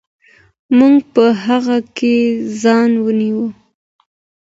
موږ په هغه کې ځان وینو.